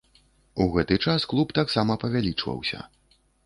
У гэты час клуб таксама павялічваўся.